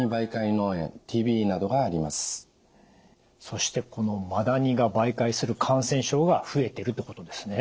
そしてこのマダニが媒介する感染症が増えてるってことですね。